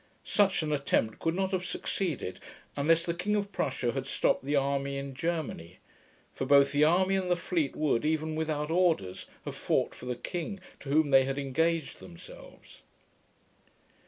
Such an attempt could not have succeeded, unless the King of Prussia had stopped the army in Germany; for both the army and the fleet would, even without orders, have fought for the King, to whom they had engaged themselves.